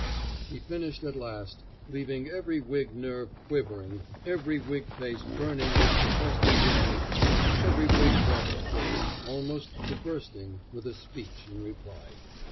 He finished at last, leaving every Whig nerve quivering, every Whig face burning with suppressed indignation, and every Whig breast full, almost to bursting, with a speech in reply.